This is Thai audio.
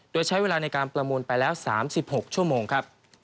โดยใช้เวลาในการประมูลไปแล้ว๓๖ชั่วโมงครับ